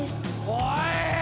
おい！